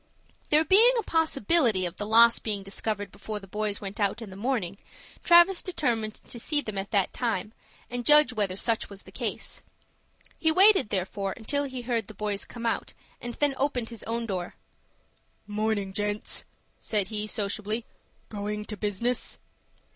There being a possibility of the loss being discovered before the boys went out in the morning, Travis determined to see them at that time, and judge whether such was the case. He waited, therefore, until he heard the boys come out, and then opened his own door. "Morning, gents," said he, sociably. "Going to business?"